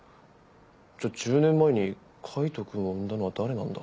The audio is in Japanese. じゃ１０年前に海人くんを生んだのは誰なんだ？